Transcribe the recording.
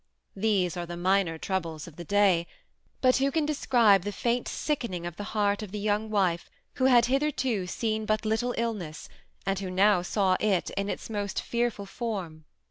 These are the minor troubles of the day ; but who can describe the faint sickening of the heart of the young wife who had hitherto seen but little illness, and who now saw it in its most fearful form?